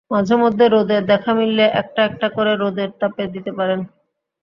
মাঝেমধ্যে রোদের দেখা মিললে একটা একটা করে রোদের তাপে দিতে পারেন।